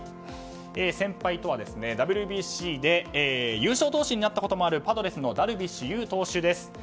先輩とは、ＷＢＣで優勝投手になったこともあるパドレスのダルビッシュ有投手です。